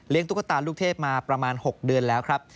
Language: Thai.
ตุ๊กตาลูกเทพมาประมาณ๖เดือนแล้วครับ